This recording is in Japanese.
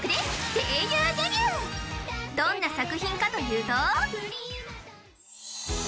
どんな作品かというと。